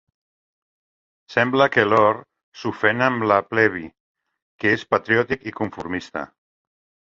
Sembla que l'Orr s'ofèn amb l'Appleby, que és patriòtic i conformista.